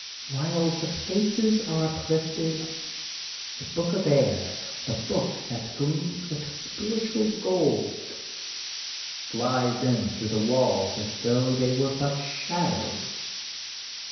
*' While the faces are uplifted, the book of air, the book that gleams with spiritual gold, flies in through the walls as though they were but shadows.